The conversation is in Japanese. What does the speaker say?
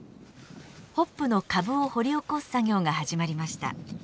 ホップの株を掘り起こす作業が始まりました。